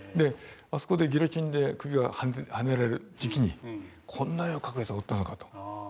あそこでギロチンで首をはねられる時期にこんな絵を描くやつがおったのかと。